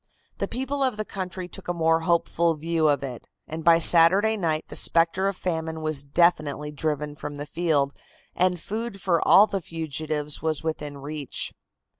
The people of the country took a more hopeful view of it, and by Saturday night the spectre of famine was definitely driven from the field and food for all the fugitives was within reach.